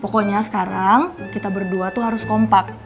pokoknya sekarang kita berdua tuh harus kompak